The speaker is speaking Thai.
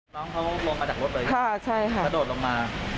น้องเขาลงมาจากรถเลยกระโดดลงมา